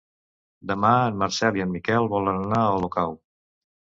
Demà en Marcel i en Miquel volen anar a Olocau.